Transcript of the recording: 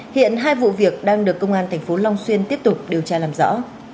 hiện hai vụ việc đang được công an tp long xuyên tiếp tục điều tra làm rõ